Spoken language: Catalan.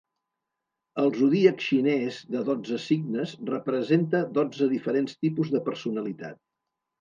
El zodíac xinès de dotze signes representa dotze diferents tipus de personalitat.